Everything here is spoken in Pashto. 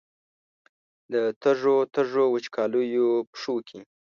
د تږو، تږو، وچکالیو پښو کې